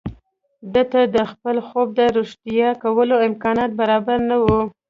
ده ته د خپل خوب د رښتيا کولو امکانات برابر نه وو.